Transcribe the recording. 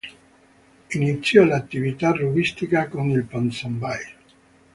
Iniziò l'attività rugbistica con il Ponsonby.